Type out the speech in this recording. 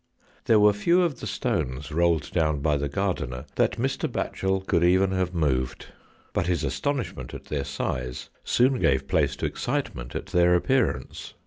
There were few of the stones rolled down by the gardener that Mr. Batchel could even have moved, but his astonishment at their size soon gave place to excitement at their appear ance.